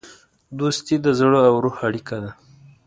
دوستي د زړه او روح اړیکه ده.